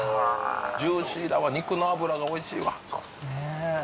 ジューシーだわ肉の脂がおいしいわそうですね